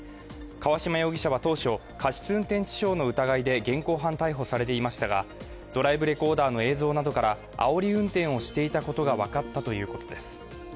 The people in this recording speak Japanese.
川島容疑者は当初、過失運転致傷の疑いで現行犯逮捕されていましたが、ドライブレコーダーの映像などからあおり運転をしていたことが分かったということです。